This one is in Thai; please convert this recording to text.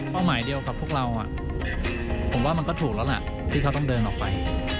หมายเดียวกับพวกเราผมว่ามันก็ถูกแล้วล่ะที่เขาต้องเดินออกไป